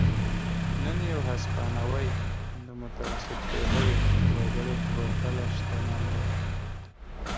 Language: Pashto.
نن یو هسپانوی د متوسط پیرويي وګړي په پرتله شتمن دی.